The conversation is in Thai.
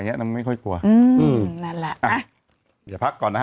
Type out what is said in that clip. เริ่มกลัวแล้วใช่ไหมคะ